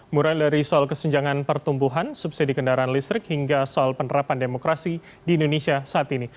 mulai dari soal kesenjangan pertumbuhan subsidi kendaraan listrik hingga soal penerapan demokrasi di indonesia saat ini